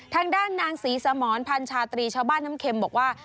ทางด้านนางศรีสมรพันชาตรีชาวบ้านน้ำเข็มบอกว่า